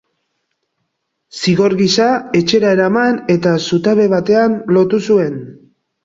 Zigor gisa, etxera eraman eta zutabe batean lotu zuen.